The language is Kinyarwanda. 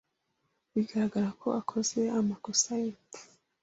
Bigaragara ko wakoze amakosa yubupfu.